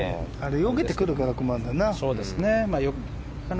よけてくるから困るんだよな。